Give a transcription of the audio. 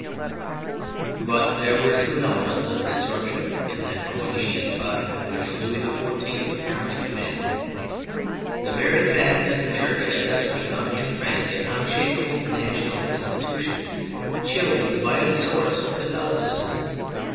But there were two elements of disruption in that homogeneous body which Louis XIV apparently commanded. The very fact that the Church had thus become in France an unshakable national institution, chilled the vital source of Catholicism.